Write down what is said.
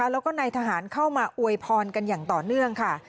แล้วก็นายทหารเข้ามาอวยพรกันอย่างต่อเนื่องค่ะ